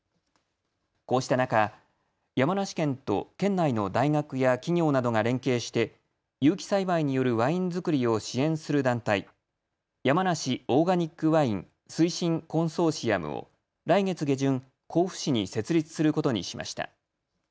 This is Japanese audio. こうした中、山梨県と県内の大学や企業などが連携して有機栽培によるワイン造りを支援する団体、山梨オーガニックワイン推進コンソーシアムを来月下旬、甲府市に設立することにしました。